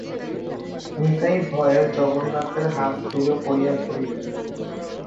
নিতাই ভয়ে যজ্ঞনাথের হাত দৃঢ় করিয়া ধরিল।